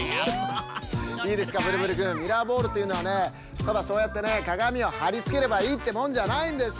いいですかブルブルくんミラーボールというのはねただそうやってねかがみをはりつければいいってもんじゃないんです！